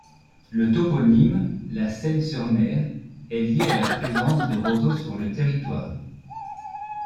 Le toponyme La Seyne-sur-Mer est lié à la présence de roseaux sur le territoire.